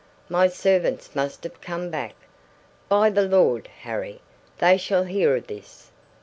"My servants must have come back. By the Lord Harry, they shall hear of this!"